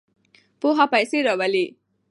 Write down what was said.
پوهه پیسې راوړي.